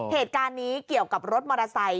เหตุการณ์นี้เกี่ยวกับรถมอเตอร์ไซค